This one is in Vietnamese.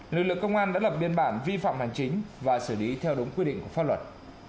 lực lượng công an đã lập biên bản vi phạm hành chính và xử lý theo đúng quy định của pháp luật